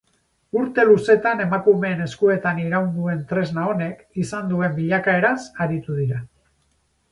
Urte luzetan emakumeen eskuetan iraun duen tresna honek izan duen bilakaeraz aritu dira.